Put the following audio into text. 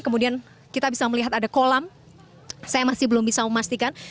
kemudian kita bisa melihat ada kolam saya masih belum bisa memastikan